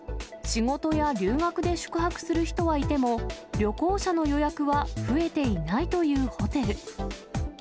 仕事や留学で宿泊する人はいても、旅行者の予約は増えていないというホテル。